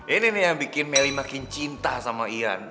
ini nih yang bikin melly makin cinta sama ian